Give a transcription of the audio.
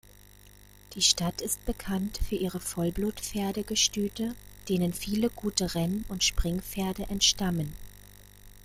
Die Stadt ist bekannt für ihre Vollblutpferde-Gestüte, denen viele gute Renn- und Springpferde entstammen.